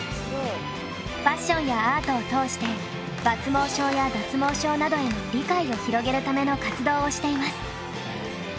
ファッションやアートを通して抜毛症や脱毛症などへの理解を広げるための活動をしています。